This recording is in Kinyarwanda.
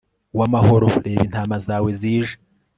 w'amahoro, reba intama zawe, zije